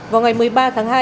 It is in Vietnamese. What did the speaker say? vào ngày một mươi ba tháng hai